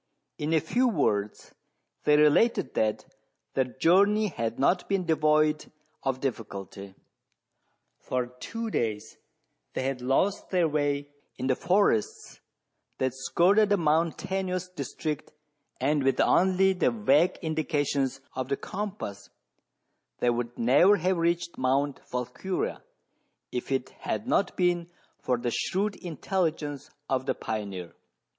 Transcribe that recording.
In a few words they related that their journey had not been devoid of difficulty. Foi two days they had lost their way in the forests that skirted the mountainous district, and with only the vague indica tions of the compass they would never have reached Mount Volquiria, if it had not been for the shrewd intelligence of the pioneer.